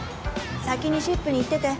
先にシップに行ってて。